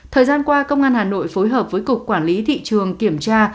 thời gian qua công an hà nội phối hợp với cục quản lý thị trường kiểm tra